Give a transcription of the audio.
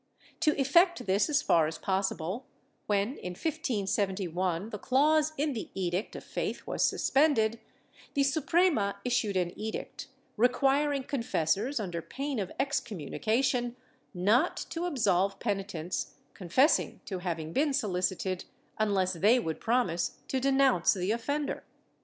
To effect this as far as possible, when, in 1571, the clause in the Edict of Faith was suspended, the Suprema issued an edict requiring confessors, under pain of excommunication, not to absolve peni tents confessing to having been solicited, unless they would promise to denounce the offender.